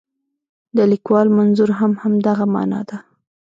د لیکوال منظور هم همدغه معنا ده.